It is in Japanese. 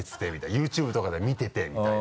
ＹｏｕＴｕｂｅとかで見ててみたいな。